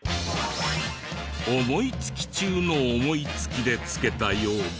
思いつき中の思いつきでつけたようで。